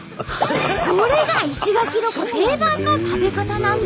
これが石垣ロコ定番の食べ方なんだとか。